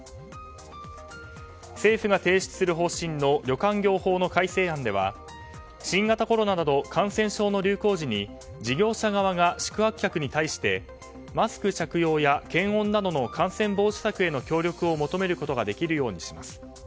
政府が提出する方針の旅館業法の改正案は新型コロナなど感染症の流行時に事業者側が宿泊客に対してマスク着用や検温などの感染防止策への協力を求めることができるようにします。